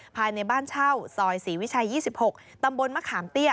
ภายในบ้านเช่าซอยศรีวิชัย๒๖ตำบลมะขามเตี้ย